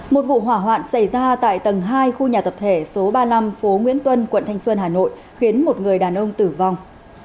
một vụ hỏa hoạn xảy ra tại tầng hai khu nhà tập thể số ba mươi năm phố nguyễn tuân quận thanh xuân hà nội khiến một người đàn ông tử vong